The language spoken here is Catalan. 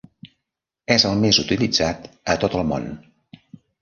És el més utilitzat a tot el món.